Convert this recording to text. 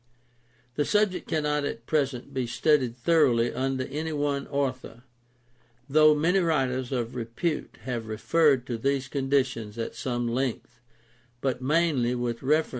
The subject cannot at present be studied thoroughly under any one author, though many writers of repute have referred to these con ditions at some length, but mainly with reference to conditions in Germany.